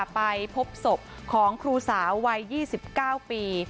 ไปพบศพของครูสาววัย๒๙ปี